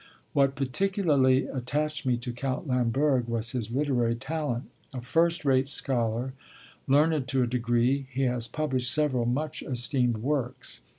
What particularly attached me to Count Lamberg was his literary talent. A first rate scholar, learned to a degree, he has published several much esteemed works.